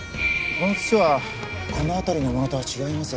この土はこの辺りのものとは違います。